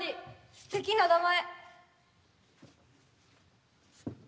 すてきな名前。